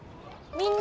みんな！